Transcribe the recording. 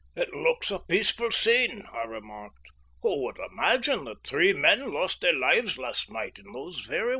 "It looks a peaceful scene," I remarked. "Who would imagine that three men lost their lives last night in those very waters?"